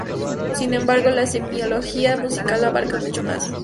Sin embargo, la semiología musical abarca mucho más.